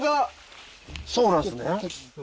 そうなんすね。